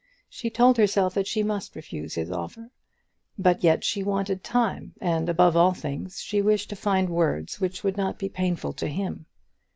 She told herself that she must refuse his offer. But yet she wanted time, and above all things, she wished to find words which would not be painful to him.